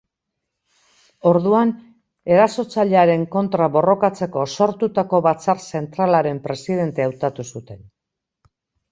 Orduan, erasotzailearen kontra borrokatzeko sortutako Batzar Zentralaren presidente hautatu zuten.